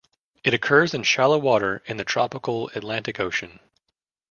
It occurs in shallow water in the tropical Atlantic Ocean.